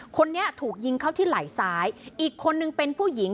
คนนี้ถูกยิงเข้าที่ไหล่ซ้ายอีกคนนึงเป็นผู้หญิง